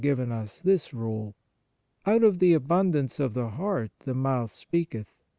for out of the abundance of the heart the mouth speaketh.